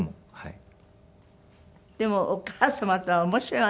でもお母様とは面白いわね。